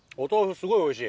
すごいおいしい。